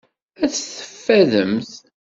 Ad teffademt.